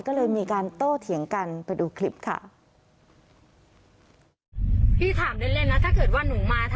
ก็เลยมีการโต้เถียงกันไปดูคลิปค่ะ